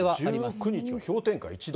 １９日は氷点下１度。